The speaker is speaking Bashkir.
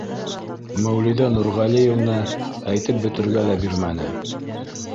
Мәүлиҙә Нурғәлиевна әйтеп бөтөргә лә бирмәне: